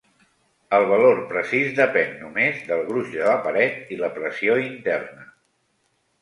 El valor precís depèn només del gruix de la paret i la pressió interna.